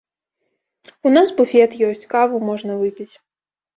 У нас буфет ёсць, каву можна выпіць.